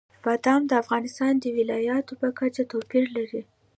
بادام د افغانستان د ولایاتو په کچه توپیر لري.